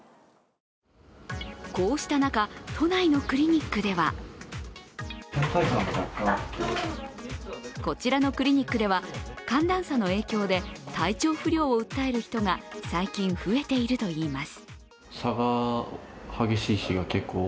こうした中、都内のクリニックではこちらのクリニックでは寒暖差の影響で体調不良を訴える人が最近増えているといいます。